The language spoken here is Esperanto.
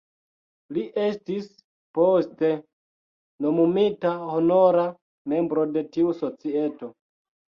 Li estis poste nomumita honora membro de tiu Societo.